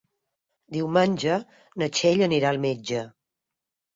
Diumenge na Txell anirà al metge.